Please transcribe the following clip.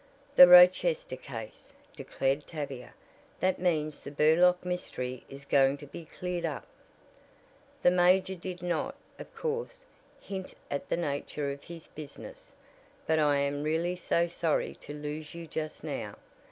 "The Rochester case," declared Tavia. "That means the Burlock mystery is going to be cleared up." "The major did not, of course, hint at the nature of his business, but I am really so sorry to lose you just now.